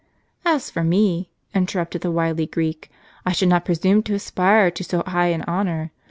" As for me," interrupted the wily Greek, " I should not presume to aspire to so high an honor.